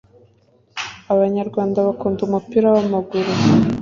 Abanyarwanda bakunda umupira w’amaguru